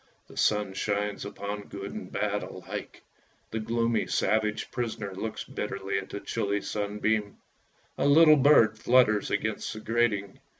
The sun shines upon good and bad alike! The gloomy, savage prisoner looks bitterly at the chilly sunbeam. A little bird flutters against the grating.